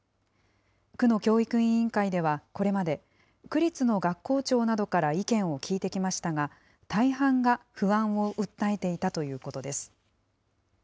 区の教育委員会では、これまで区立の学校長などから意見を聞いてきましたが、大半が不安を訴えていたということです。